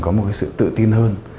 có một sự tự tin hơn